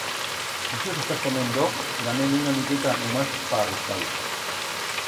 D'ixo que estás comendo, da-me-ne una miqueta, nomás pa gusta-lo.